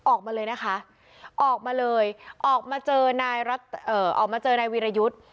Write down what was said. ออกมาเลยนะคะออกมาเลยออกมาเจอนายออกมาเจอนายวีรยุทธ์